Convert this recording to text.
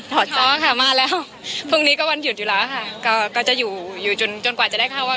พอจ้อค่ะมาแล้วพรุ่งนี้ก็วันหยุดอยู่แล้วค่ะก็จะอยู่อยู่จนจนกว่าจะได้เข้า